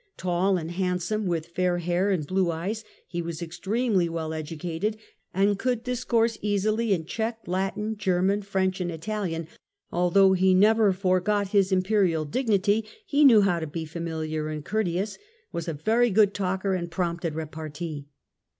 Tall and handsome, with fair hair and blue eyes, he was extremely well educated and could discourse easily in Tehee, Latin, German, French and Italian ; although he never forgot his Imperial dignity, he knew how to be familiar and courteous, was a very good talker and prompt at repartee.